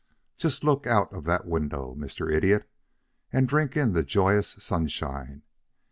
Just look out of that window, Mr. Idiot, and drink in the joyous sunshine.